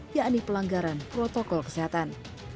yakni pelanggaran protokol kesehatan